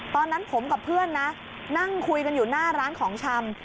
ตอนนั้นผมกับเพื่อนนะนั่งคุยกันอยู่หน้าร้านของชำ